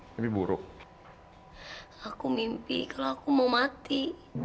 lebih buruk aku mimpi kalau aku mau mati